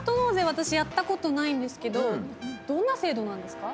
私やったことないんですけどどんな制度なんですか？